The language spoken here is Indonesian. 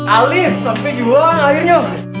alif sampai juang akhirnya